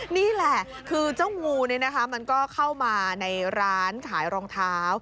นี่แหละคือเจ้างูมันก็เข้ามาในร้านขายรองเท้า